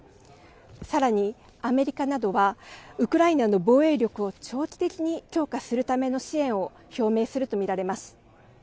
さらに、アメリカなどは、ウクライナの防衛力を長期的に強化するための支援を表明すると見られます。